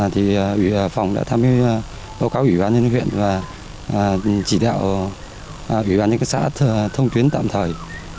thì phòng đã tham gia báo cáo ủy ban nhân huyện và chỉ đạo ủy ban nhân xã thông tuyến tạm thời